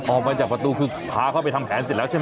ออกมาจากประตูคือพาเข้าไปทำแผนเสร็จแล้วใช่ไหม